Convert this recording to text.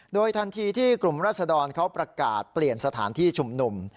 โดยทันทีที่กลุ่มรัศดรเขาประกาศเปลี่ยนสถานที่ชุมนุม